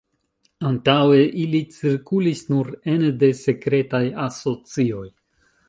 Antaŭe ili cirkulis nur ene de sekretaj asocioj.